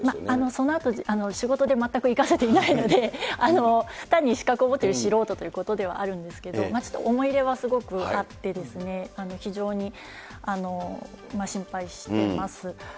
そのあと、仕事で全く生かせていないので、単に資格を持っている素人ということではあるんですが、ちょっと思い入れはすごくあってですね、非常に心配してます。